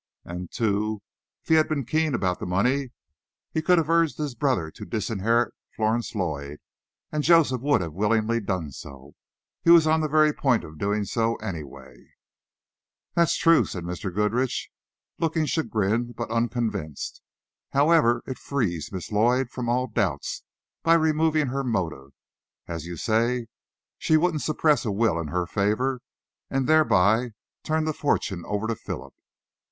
And, too, if he had been keen about the money, he could have urged his brother to disinherit Florence Lloyd, and Joseph would have willingly done so. He was on the very point of doing so, any way." "That's true," said Mr. Goodrich, looking chagrined but unconvinced. "However, it frees Miss Lloyd from all doubts, by removing her motive. As you say, she wouldn't suppress a will in her favor, and thereby turn the fortune over to Philip.